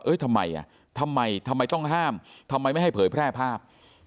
ทำไมอ่ะทำไมทำไมต้องห้ามทำไมไม่ให้เผยแพร่ภาพ